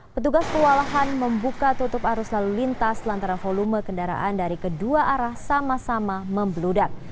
petugas kewalahan membuka tutup arus lalu lintas lantaran volume kendaraan dari kedua arah sama sama membludak